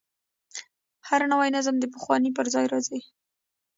هر نوی نظم د پخواني پر ځای راځي.